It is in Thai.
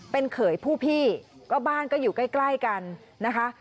เป็นเขยผู้พี่ก็บ้านก็อยู่ใกล้กันนะคะ